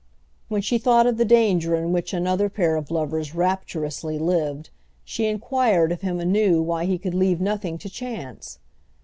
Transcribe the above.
When she thought of the danger in which another pair of lovers rapturously lived she enquired of him anew why he could leave nothing to chance.